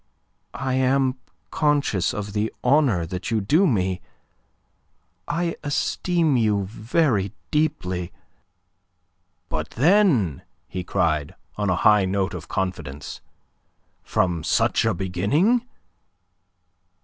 I am conscious of the honour that you do me. I esteem you very deeply..." "But, then," he cried, on a high note of confidence, "from such a beginning..."